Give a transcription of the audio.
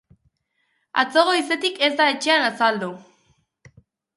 Atzo goizetik ez da etxean azaldu.